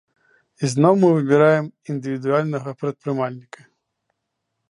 І зноў мы выбіраем індывідуальнага прадпрымальніка.